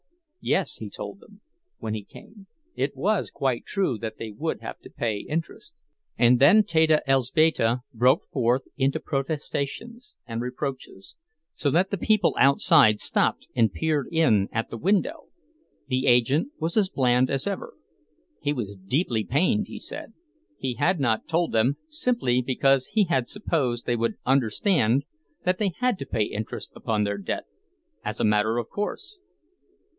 Yes, he told them, when he came, it was quite true that they would have to pay interest. And then Teta Elzbieta broke forth into protestations and reproaches, so that the people outside stopped and peered in at the window. The agent was as bland as ever. He was deeply pained, he said. He had not told them, simply because he had supposed they would understand that they had to pay interest upon their debt, as a matter of course.